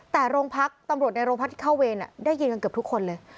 แต่โรงพักตำรวจในโรงพักที่เข้าเวรได้ยินกันเกือบทุกคนเลย